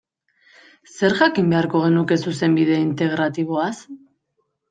Zer jakin beharko genuke Zuzenbide Integratiboaz?